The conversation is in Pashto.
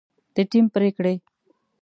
د ټیم پرېکړې